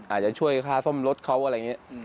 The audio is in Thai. อาจจะช่วยค่าซ่อมรถเขาอะไรอย่างนี้